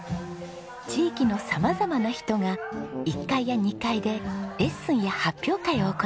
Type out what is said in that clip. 地域の様々な人が１階や２階でレッスンや発表会を行っています。